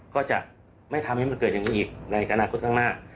ก็จะไม่ทำให้มันเกิดอย่างนี้อีกในอนาคตข้างหน้า